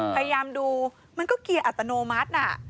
พยายามดูมันก็เกียร์อัตโนมัติน่ะ